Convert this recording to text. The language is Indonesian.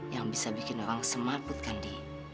yang bisa bikin orang semabut kan di